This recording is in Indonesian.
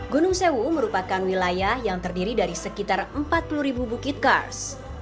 gunung sewu merupakan wilayah yang terdiri dari sekitar empat puluh ribu bukit kars